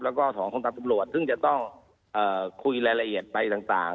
แล้วก็สองคนตามตำรวจซึ่งจะต้องคุยรายละเอียดไปต่าง